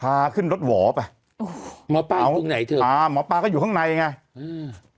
พาขึ้นรถหัวไปหมอป้าอยู่ตรงไหนเถอะอ่าหมอป้าก็อยู่ข้างในไงอืม